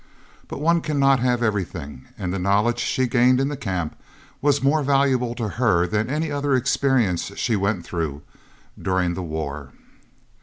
But one cannot have everything, and the knowledge she gained in the Camp was more valuable to her than any other experience she went through during the war.